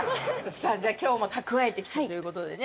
さぁじゃあ今日も蓄えてきてるということでね。